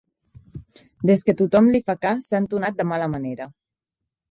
Des que tothom li fa cas s'ha entonat de mala manera.